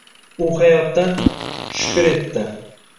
U hayotdan... shukur etdi.